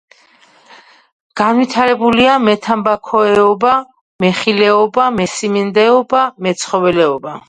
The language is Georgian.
განვითარებულია მეთამბაქოეობა, მეხილეობა, მესიმინდეობა, მეცხოველეობა.